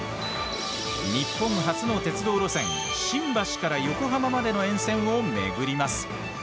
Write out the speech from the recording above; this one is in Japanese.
日本初の鉄道路線新橋から横浜までの沿線を巡ります。